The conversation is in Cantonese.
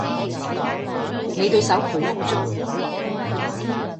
你對手好污糟